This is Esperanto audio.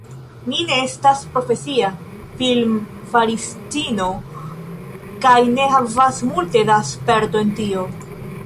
Mi ne estas profesia filmfaristino kaj ne havas multe da sperto en tio.